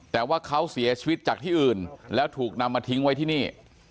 แต่ว่าเขาเสียชีวิตจากที่อื่นแล้วถูกนำมาทิ้งไว้ที่นี่